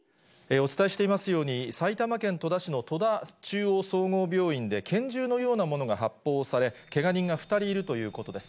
お伝えしていますように、埼玉県戸田市の戸田中央総合病院で拳銃のようなものが発砲され、けが人が２人いるということです。